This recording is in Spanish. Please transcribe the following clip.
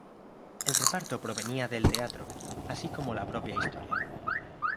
El reparto provenía del teatro, así como la propia historia.